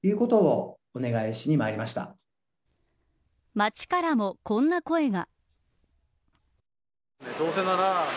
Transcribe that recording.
街からもこんな声が。